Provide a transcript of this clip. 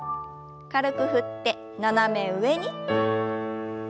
軽く振って斜め上に。